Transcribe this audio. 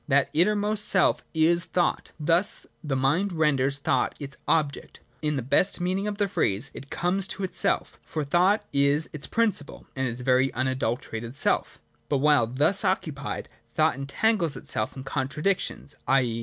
That innermost self is thought. Thus tiie mind renders thought its object. In the best meaning of the phrase, it comes to itself; for thought is its prin ciple, and its very unadulterated self But while thus occupied, thought entangles itself in contradictions, i.